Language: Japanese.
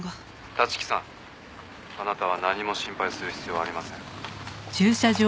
「立木さんあなたは何も心配する必要はありません」